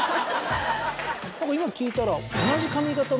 何か今聞いたら。